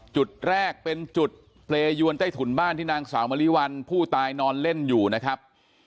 จุดแรกเป็นจุดเปรยวนใต้ถุนบ้านที่นางสาวมริวัลผู้ตายนอนเล่นอยู่นะครับ